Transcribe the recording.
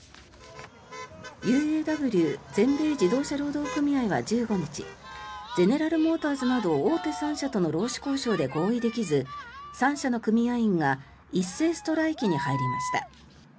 ＵＡＷ・全米自動車労働組合は１５日ゼネラルモーターズなど大手３社との労使交渉で合意できず３社の組合員が一斉ストライキに入りました。